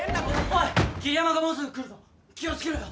おい桐山がもうすぐ来るぞ気を付けろよ。